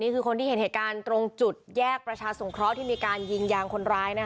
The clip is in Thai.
คนที่เห็นเหตุการณ์ตรงจุดแยกประชาสงเคราะห์ที่มีการยิงยางคนร้ายนะคะ